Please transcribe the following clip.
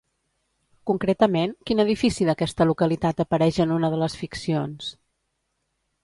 Concretament, quin edifici d'aquesta localitat apareix en una de les ficcions?